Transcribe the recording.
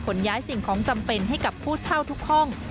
ย้ายสิ่งของจำเป็นให้กับผู้เช่าทุกห้อง